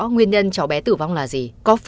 nguyên nhân cháu bé tử vong là gì